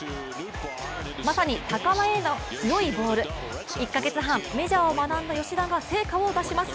まさに高めへの強いボール、１カ月半、メジャーを学んだ吉田が成果を出します。